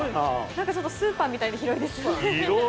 何かちょっとスーパーみたいに広いですよね。